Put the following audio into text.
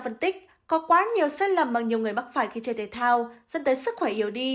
biết có quá nhiều sai lầm mà nhiều người bắt phải khi chơi thể thao dẫn tới sức khỏe yếu đi